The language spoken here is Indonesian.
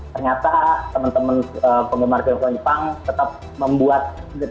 ternyata teman teman penggemar film film jepang tetap membuat